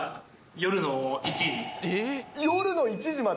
夜の１時まで？